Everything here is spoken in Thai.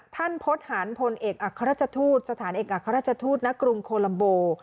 ท่านพฤษฐานพลเอกอักษรรจทูตสถานเอกอักษรรจทูตณกรุงโคลัมโบ